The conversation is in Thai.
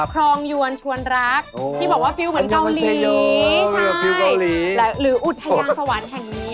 คลองยวนชวนรักที่บอกว่าฟิลเหมือนเกาหลีใช่หรืออุทยานสวรรค์แห่งนี้